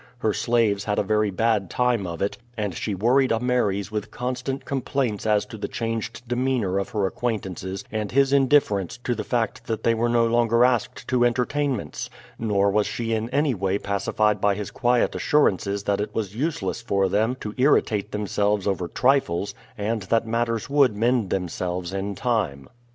Her slaves had a very bad time of it, and she worried Ameres with constant complaints as to the changed demeanor of her acquaintances and his indifference to the fact that they were no longer asked to entertainments; nor was she in any way pacified by his quiet assurances that it was useless for them to irritate themselves over trifles, and that matters would mend themselves in time.